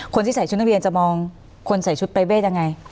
คนที่ใส่ชุดนักเรียนจะมองคนใส่ชุดปรายเวทยังไง